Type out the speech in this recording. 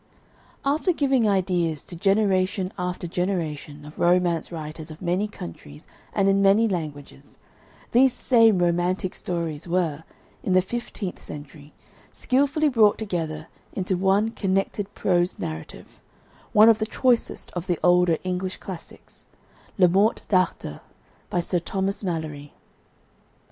After giving ideas to generation after generation of romance writers of many countries and in many languages, these same romantic stories were, in the fifteenth century, skilfully brought together into one connected prose narrative, one of the choicest of the older English classics, "Le Morte Darthur," by Sir Thomas Malory.